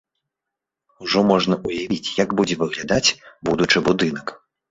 Ужо можна ўявіць, як будзе выглядаць будучы будынак.